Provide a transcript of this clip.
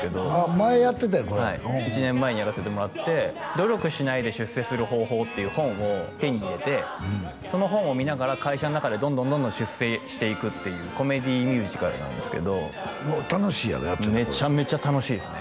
前やってたんやこれはい１年前にやらせてもらって「努力しないで出世する方法」っていう本を手に入れてその本を見ながら会社の中でどんどん出世していくっていうコメディミュージカルなんですけど楽しいやろやっててメチャメチャ楽しいですね